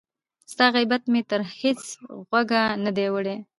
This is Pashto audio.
ستا غیبت مي تر هیڅ غوږه نه دی وړی